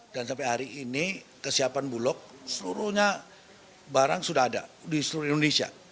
dan sampai hari ini kesiapan bulok seluruhnya barang sudah ada di seluruh indonesia